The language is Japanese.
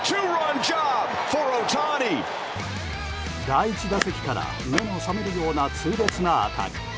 第１打席から目の覚めるような痛烈な当たり。